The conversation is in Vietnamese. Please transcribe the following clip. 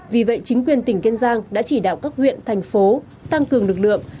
vì vậy chính quyền tỉnh kiên giang đã chỉ đạo các huyện thành phố tăng cường lực lượng